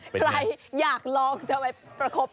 ใครอยากลองจะไปประคบ